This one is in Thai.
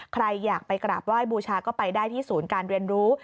ใครอยากไปกราบไหว้บูชาก็ไปได้ที่ศูนย์การเรียนรู้